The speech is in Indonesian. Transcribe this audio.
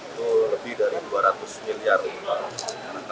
itu lebih dari dua ratus miliar rupiah